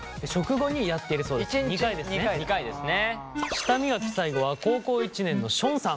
舌磨き最後は高校１年のションさん。